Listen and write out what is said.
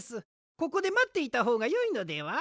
ここでまっていたほうがよいのでは？